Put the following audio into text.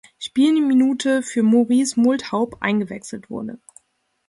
Spielminute für Maurice Multhaup eingewechselt wurde.